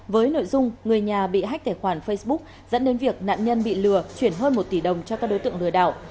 với nội dung người nhà bị hách tài khoản facebook dẫn đến việc nạn nhân bị lừa chuyển hơn một tỷ đồng cho các đối tượng lừa đảo